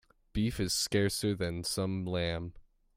Beef is scarcer than some lamb.